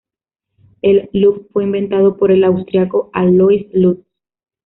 El lutz fue inventado por el austríaco Alois Lutz.